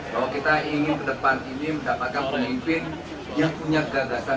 bahwa kita ingin ke depan ini mendapatkan pemimpin yang punya gagasan